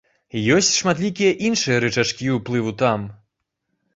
Ёсць шматлікія іншыя рычажкі ўплыву там.